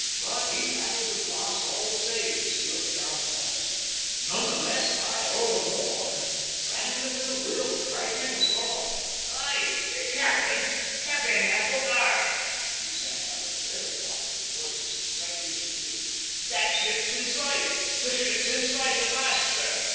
But he rattled the glass all the same as he looked down upon us, none the less; aye, all the more, rattled it with a will, frightening us all! "Hi! Cap'en, Cap'en Applegarth!" he sang out at the very top of his voice, as excited as you please. "That ship's in sight! the ship's in sight, at last, sir.